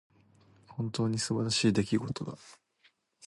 本当に素晴らしい出来事だ。